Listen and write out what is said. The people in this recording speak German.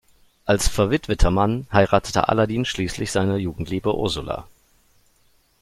Als verwitweter Mann heiratete Aladin schließlich seine Jugendliebe Ursula.